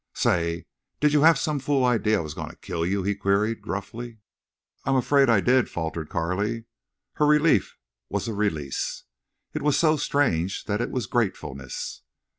"Say, did you have some fool idee I was a goin' to kill you?" he queried, gruffly. "I'm afraid—I did," faltered Carley. Her relief was a release; it was so strange that it was gratefulness.